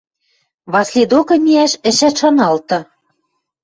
Васли докы миӓш ӹшӓт шаналты.